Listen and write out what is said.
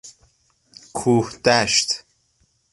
کوهدشت